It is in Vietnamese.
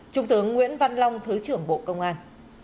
trung tướng nguyễn văn long thứ trưởng bộ công an